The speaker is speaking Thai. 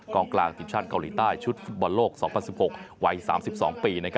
กลางกลางทีมชาติเกาหลีใต้ชุดฟุตบอลโลก๒๐๑๖วัย๓๒ปี